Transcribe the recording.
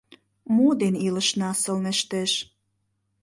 Мо ден илышна сылнештеш?